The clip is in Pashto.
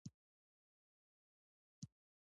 د عبدالرحمن کلی موقعیت